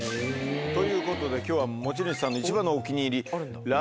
ということで今日は持ち主さんの一番のお気に入り。